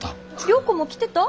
良子も来てた？